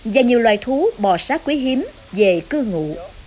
và nhiều loài thú bò sát quý hiếm về cư ngụ